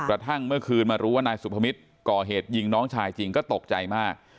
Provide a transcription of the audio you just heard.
กระทั่งเมื่อคืนมารู้ว่านายสุภมิตรก่อเหตุยิงน้องชายจริงก็ตกใจมาก